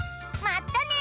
まったね！